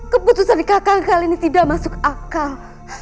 keputusan kkn kali ini tidak masuk akal